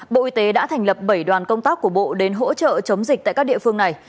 bộ y tế đã thành lập bảy đoàn công tác của bộ đến hỗ trợ chống dịch tại các địa phương này